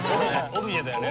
オブジェだよね。